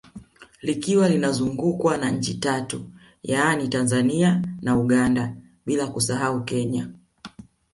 Likiwa linazungukwa na nchi Tatu yani Tanzania na Uganda bila kusahau Kenya